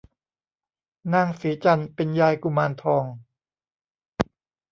นางสีจันทร์เป็นยายกุมารทอง